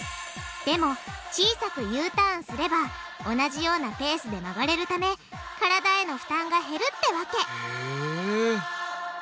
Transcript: でも小さくＵターンすれば同じようなペースで曲がれるため体への負担が減るってわけへぇ。